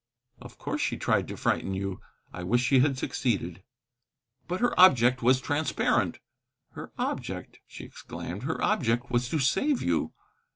"Of course she tried to frighten you. I wish she had succeeded." "But her object was transparent." "Her object!" she exclaimed. "Her object was to save you."